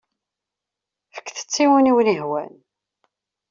Fket-t i win i wen-yehwan.